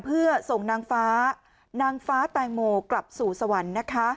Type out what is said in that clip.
เพื่อส่งนางฟ้าต่างโมวรถจากสวรรค์